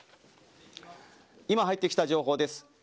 今、入ってきた情報です。